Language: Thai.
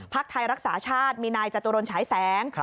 ไทยรักษาชาติมีนายจตุรนฉายแสง